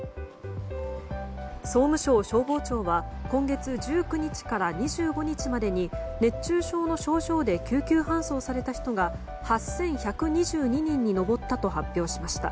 総務省消防庁は今月１９日から２５日までに熱中症の症状で救急搬送された人が８１２２人に上ったと発表しました。